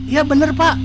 iya benar pak